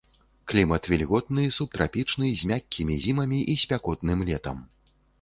Клімат вільготны субтрапічны з мяккімі зімамі і спякотным летам.